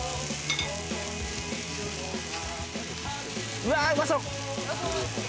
うわ、うまそう！